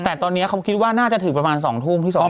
แต่ตอนนี้เขาคิดว่าน่าจะถึงประมาณ๒ทุ่มพี่สอ